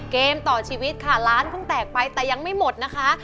เกมต่อชีวิตค่ะร้านเพิ่งแตกไปแต่ยังไม่หมดนะคะ